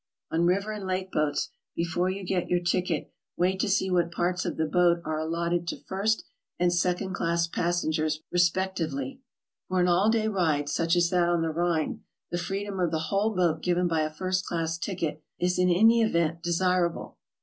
On river and lake boats, before you get your ticket, wait to see w*hat parts of the boat are allotted to first and second class passengers, respectively. For an all day ride, such as that on the Rhine, the freedom of the w^hole boat given by a first class ticket is in any event desirable.